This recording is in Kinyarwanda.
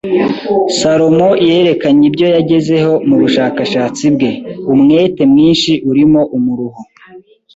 Salomo yerekanye ibyo yagazeho mu bushakashatsi bwe, umwete mwinshi urimo umuruho